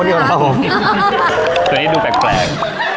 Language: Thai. ตัวนี้ดูแปลก